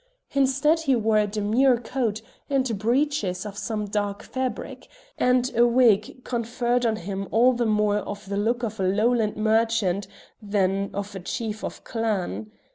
Instead he wore a demure coat and breeches of some dark fabric, and a wig conferred on him all the more of the look of a lowland merchant than of a chief of clan.